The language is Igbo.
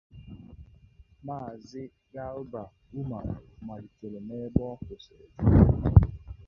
maazị Garba Umar malite n'ebe ọ kwụsịrị